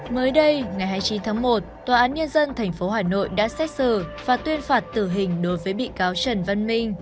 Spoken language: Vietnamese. mới đây ngày hai mươi chín tháng một tòa án nhân dân tp hà nội đã xét xử và tuyên phạt tử hình đối với bị cáo trần văn minh